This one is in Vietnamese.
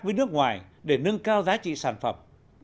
với nước ngoài để nâng cao giá trị sản phẩm